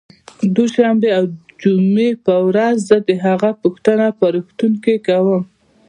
دوشنبې او جمعې په ورځ زه د هغه پوښتنه په روغتون کې کوم